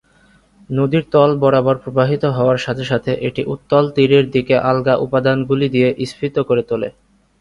নদীর তল বরাবর প্রবাহিত হওয়ার সাথে সাথে, এটি উত্তল তীরের দিকে আলগা উপাদানগুলি দিয়ে স্ফীত করে তোলে।